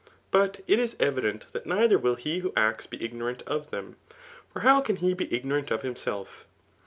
But it is evident that neither will he who acts be ignorant of them ; for how can he be ignorant of himself.